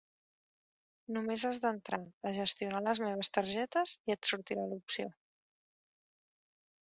Només has d'entrar a 'Gestionar les meves targetes'i et sortirà l'opció.